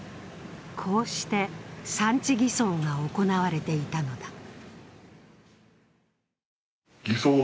こうして産地偽装が行われていたのだ。